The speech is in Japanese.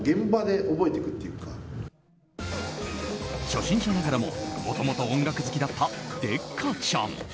初心者ながらももともと音楽好きだったデッカチャン。